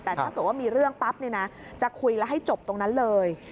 แต่ถ้าเกิดว่ามีเรื่องปั๊บเนี่ยนะจะคุยแล้วให้จบตรงนั้นเลย